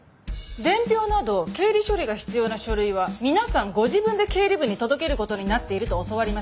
伝票など経理処理が必要な書類は皆さんご自分で経理部に届けることになっていると教わりましたが。